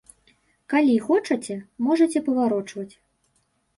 Калі хочаце, можаце паварочваць.